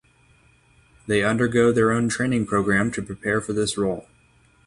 They undergo their own training programme to prepare for this role.